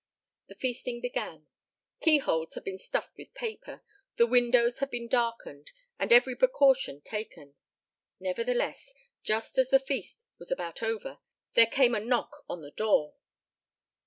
The feasting began. Keyholes had been stuffed with paper, the windows had been darkened and every precaution taken. Nevertheless, just as the feast was about over, there came a knock on the door.